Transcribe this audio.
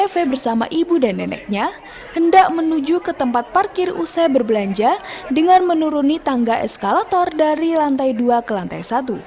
ev bersama ibu dan neneknya hendak menuju ke tempat parkir usai berbelanja dengan menuruni tangga eskalator dari lantai dua ke lantai satu